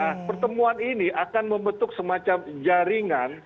nah pertemuan ini akan membentuk semacam jaringan